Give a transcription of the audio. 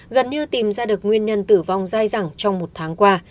gần như tìm ra được nguyên nhân tử vong dai dẳng trong một tháng qua